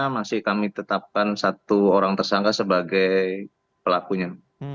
masih kami tetapkan satu orang tersangka sebagai pelakunya